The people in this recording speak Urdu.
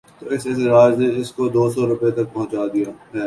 تو اس احتجاج نے اس کو دوسو روپے تک پہنچا دیا ہے۔